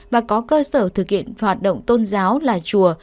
và có cơ sở thực hiện hoạt động tôn giáo là chùa